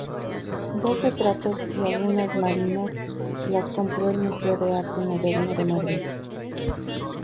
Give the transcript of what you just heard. Dos retratos y algunas marinas las compró el Museo de Arte Moderno de Madrid.